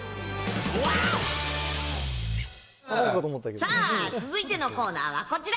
さあ、続いてのコーナーはこちら。